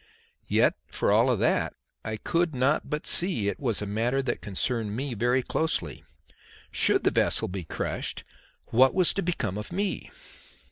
Yet for all that I could not but see it was a matter that concerned me very closely. Should the vessel be crushed, what was to become of me?